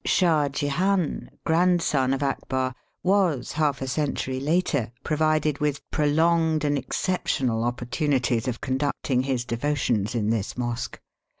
Shah Jehan, grandson of Akbar, was half a century later provided with prolonged and exceptional opportunities of conducting his devotions in this mosque.